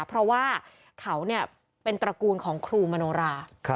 เพราะว่าเขาเป็นตระกูลของครูมโนรา